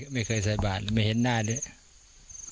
ไม่เคยใส่บาทไม่เห็นหน้าด้วย